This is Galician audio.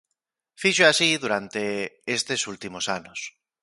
Fíxoo así durante estes últimos anos.